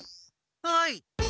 はい！